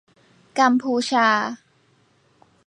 กัมพูชา